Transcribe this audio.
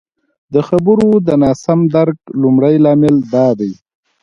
د خبرو د ناسم درک لمړی لامل دادی